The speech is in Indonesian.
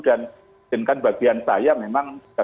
dan bagian saya memang sudah saya untuk menangkap